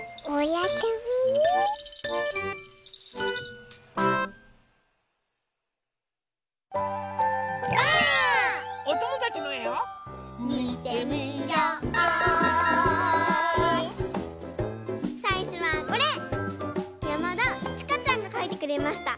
やまだちかちゃんがかいてくれました。